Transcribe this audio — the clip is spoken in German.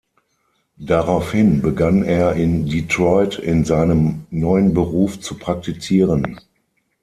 Daraufhin begann er in Detroit in seinem neuen Beruf zu praktizieren.